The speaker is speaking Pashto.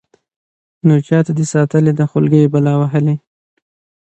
نو چاته دې ساتلې ده خولكۍ بلا وهلې.